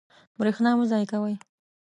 برېښنا مه ضایع کوئ.